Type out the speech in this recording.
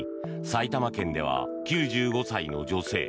埼玉県では９５歳の女性